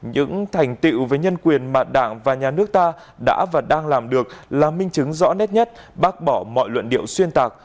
những thành tiệu về nhân quyền mà đảng và nhà nước ta đã và đang làm được là minh chứng rõ nét nhất bác bỏ mọi luận điệu xuyên tạc